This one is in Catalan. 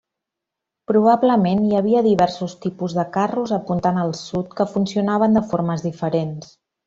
Probablement hi havia diversos tipus de carros apuntant al sud que funcionaven de formes diferents.